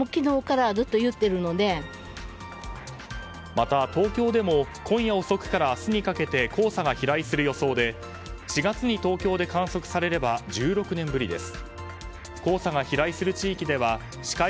また、東京でも今夜遅くから明日にかけて黄砂が飛来する予想で４月に東京で観測されれば１６年ぶりです。